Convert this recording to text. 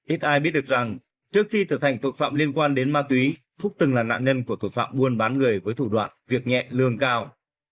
ít ai biết được rằng trước khi thực hành tội phạm liên quan đến ma túy phúc từng là nạn nhân của tội phạm buôn bán người với thủ đoạn việc nhẹ lương cao